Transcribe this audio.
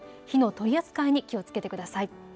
火の取り扱いに気をつけてください。